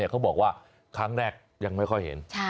เขาบอกว่าครั้งแรกยังไม่ค่อยเห็น